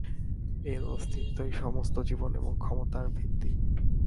এর অস্তিত্বই সমস্ত জীবন এবং ক্ষমতার ভিত্তি।